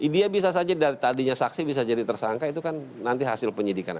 dia bisa saja dari tadinya saksi bisa jadi tersangka itu kan nanti hasil penyidikan